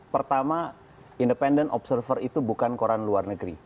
pertama independent observer itu bukan koran luar negeri